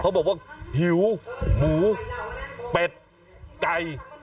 เขาบอกว่าหิวหมูเป็ดไก่